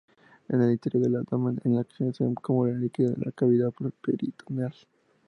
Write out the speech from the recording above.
En el interior del abdomen, en ocasiones se acumula líquido en la cavidad peritoneal.